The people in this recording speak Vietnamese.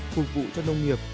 phục vụ cho nông nghiệp